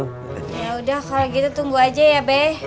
yaudah kalau gitu tunggu aja ya be